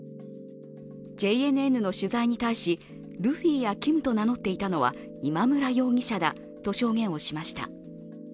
ＪＮＮの取材に対し、ルフィやＫｉｍと名乗っていたのは今村容疑者だと証言をしました。